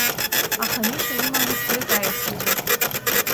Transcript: Аха Миша иман хә-ҩык аеҳәшьцәа.